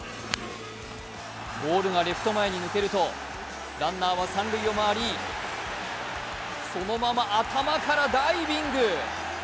ボールがレフト前に抜けるとランナーは三塁を回りそのまま頭からダイビング。